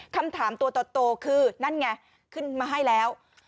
คำถามตัวโตคือนั่นไงขึ้นมาให้แล้ว